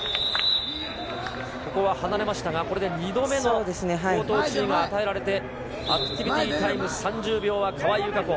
ここは離れましたが、これで２度目の口頭注意が与えられて、アクティビティタイム３０秒は川井友香子。